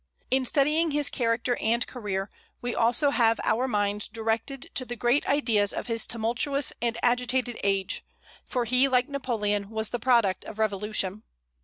In studying his character and career, we also have our minds directed to the great ideas of his tumultuous and agitated age, for he, like Napoleon, was the product of revolution.